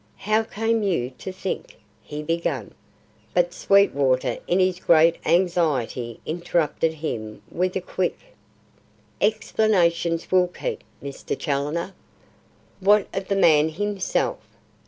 "How came you to think " he began; but Sweetwater in his great anxiety interrupted him with a quick: "Explanations will keep, Mr. Challoner. What of the man himself?